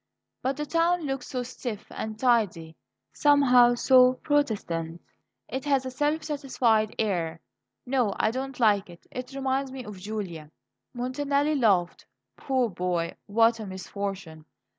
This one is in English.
"But the town looks so stiff and tidy, somehow so Protestant; it has a self satisfied air. No, I don't like it; it reminds me of Julia." Montanelli laughed. "Poor boy, what a misfortune!